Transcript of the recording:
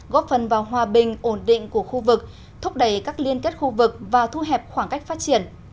góp phần vào hòa bình ổn định của khu vực thúc đẩy các liên kết khu vực và thu hẹp khoảng cách phát triển